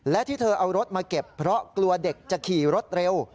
และที่เธอเอารถมาเก็บเพราะกลัวเด็กจะขี่รถเร็ว